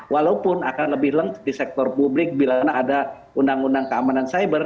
walaupun akan lebih lengkap di sektor publik bila ada undang undang keamanan cyber